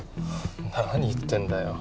何言ってんだよ